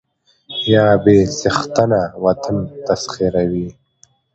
يا بې څښنته وطن تسخيروي